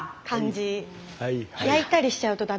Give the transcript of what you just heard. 焼いたりしちゃうとだめ？